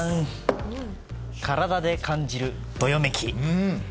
体で感じるどよめき。